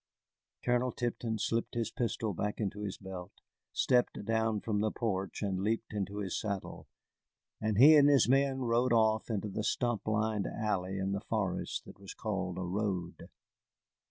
Colonel Tipton slipped his pistol back into his belt, stepped down from the porch, and leaped into his saddle, and he and his men rode off into the stump lined alley in the forest that was called a road.